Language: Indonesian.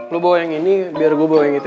lo bawa yang ini biar gue bawa yang itu ya